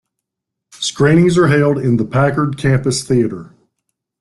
Screenings are held in the Packard Campus Theater.